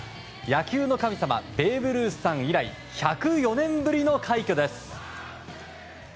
野球の神様ベーブ・ルースさん以来１０４年ぶりの快挙です。